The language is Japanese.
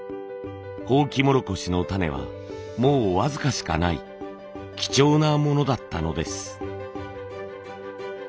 ホウキモロコシの種はもう僅かしかない貴重なものだったのです。